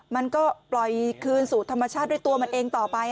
มันก็ปล่อยคืนสู่ธรรมชาติด้วยตัวมันเองต่อไป